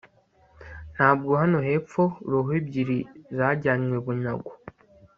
ntabwo, hano hepfo, roho ebyiri zajyanywe bunyago